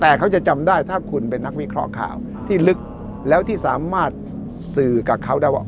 แต่เขาจะจำได้ถ้าคุณเป็นนักวิเคราะห์ข่าวที่ลึกแล้วที่สามารถสื่อกับเขาได้ว่า